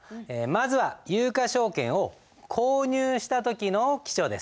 まずは有価証券を購入した時の記帳です。